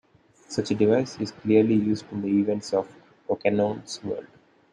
Such a device is clearly used in the events of "Rocannon's World".